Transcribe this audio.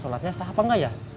solatnya sah apa gak ya